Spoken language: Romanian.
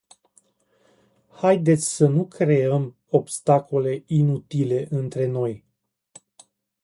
Haideți să nu creăm obstacole inutile între noi.